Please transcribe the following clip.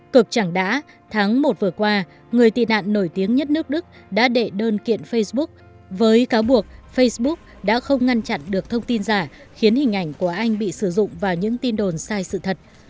cực chẳng đã tháng một vừa qua người tị nạn nổi tiếng nhất nước đức đã đệ đơn kiện facebook với cáo buộc facebook đã không ngăn chặn được thông tin giả khiến hình ảnh của anh bị sử dụng vào những tin đồn sai sự thật